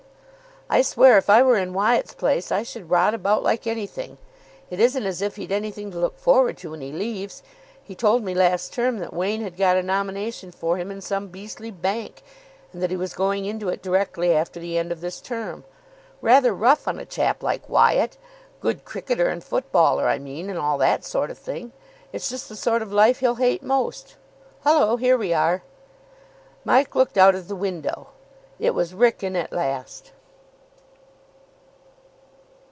"I swear, if I were in Wyatt's place, I should rot about like anything. It isn't as if he'd anything to look forward to when he leaves. He told me last term that Wain had got a nomination for him in some beastly bank, and that he was going into it directly after the end of this term. Rather rough on a chap like Wyatt. Good cricketer and footballer, I mean, and all that sort of thing. It's just the sort of life he'll hate most. Hullo, here we are." Mike looked out of the window. It was Wrykyn at last.